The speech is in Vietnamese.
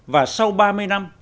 và sau ba mươi năm